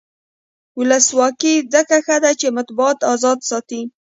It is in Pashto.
ولسواکي ځکه ښه ده چې مطبوعات ازاد ساتي.